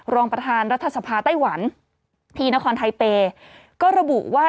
รองประธานรัฐสภาไต้หวันที่นครไทเปย์ก็ระบุว่า